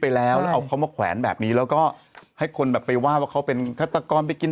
ไปแล้วแล้วเอาเขามาแขวนแบบนี้แล้วก็ให้คนแบบไปว่าว่าเขาเป็นฆาตกรไปกิน